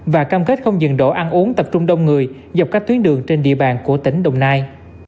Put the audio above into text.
và cam kết không dừng đổ ăn uống tập trung đông người dọc các tuyến đường trên địa bàn của tỉnh đồng nai